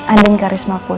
anin karisma putri